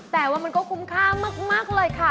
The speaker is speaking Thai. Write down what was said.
แต่ว่ามันก็คุ้มค่ามากเลยค่ะ